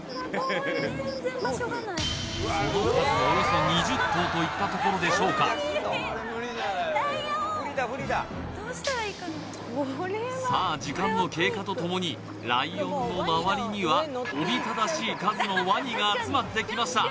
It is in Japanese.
その数およそ２０頭といったところでしょうかさあ時間の経過とともにライオンの周りにはが集まってきました